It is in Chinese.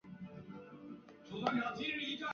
陈少白故居纪念馆位于陈少白墓附近。